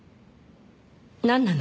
なんなの？